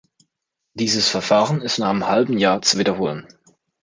Dieses Verfahren ist nach einem halben Jahr zu wiederholen.